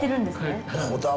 はい。